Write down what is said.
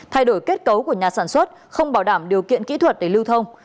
thay đổi kết cấu của nhà sản xuất không bảo đảm điều kiện kỹ thuật để lưu thông